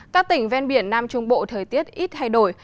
các tỉnh ven biển nam trung bộ thời tiết ít thay đổi